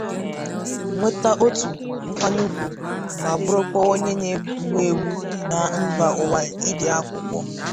nweta ọtụ nkwanyeùgwù ma bụrụkwa onye na-ewu èwù na mba ụwa n'ide akwụkwọ.